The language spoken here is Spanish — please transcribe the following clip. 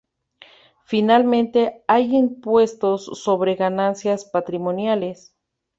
Finalmente hay impuestos sobre ganancias patrimoniales.